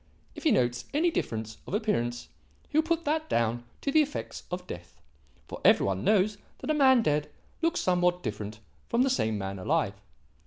If he notes any difference of appearance he will put that down to the effects of death; for every one knows that a man dead looks somewhat different from the same man alive.